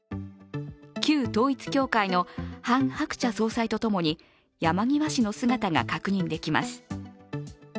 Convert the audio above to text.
旧統一教会のハン・ハクチャ総裁とともに、山際氏の姿が確認できます。